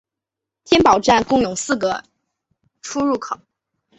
天宝站共有四个出入口。